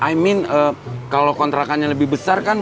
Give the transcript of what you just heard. i mean kalo kontrakannya lebih besar kan